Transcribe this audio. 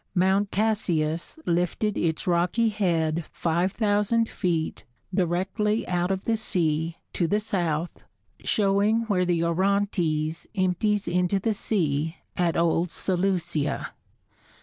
Mount Cassius lifted its rocky head five thousand feet, directly out of the sea, to the south, showing where the Orontes empties into the sea at old Seleucia.